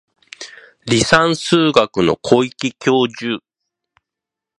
離散数学の小池教授